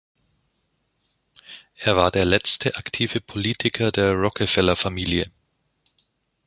Er war der letzte aktive Politiker der Rockefeller-Familie.